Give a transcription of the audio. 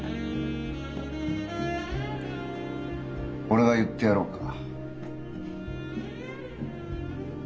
俺が言ってやろうか？